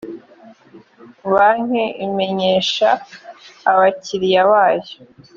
banke imenyesha abakiriya bayo.